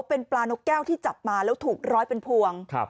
เป็นปลานกแก้วที่จับมาแล้วถูกร้อยเป็นพวง